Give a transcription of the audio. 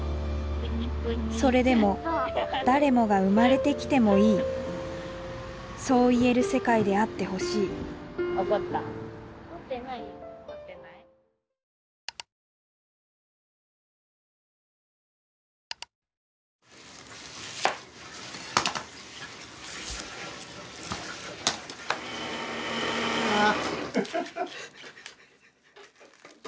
それでも誰もが生まれてきてもいいそう言える世界であってほしいあ。